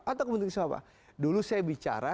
atau kepentingan siapa dulu saya bicara